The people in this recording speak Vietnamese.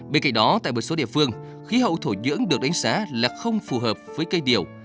bên cạnh đó tại một số địa phương khí hậu thổ nhưỡng được đánh giá là không phù hợp với cây điểu